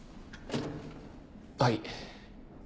はい。